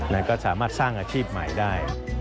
แล้วก็สามารถสร้างอาชีพใหม่ได้